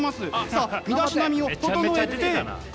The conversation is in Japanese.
さあ身だしなみを整えて。